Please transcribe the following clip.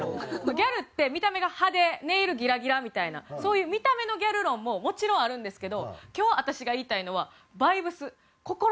ギャルって見た目が派手ネイルギラギラみたいなそういう見た目のギャル論ももちろんあるんですけど今日私が言いたいのはバイブス心の話なんです。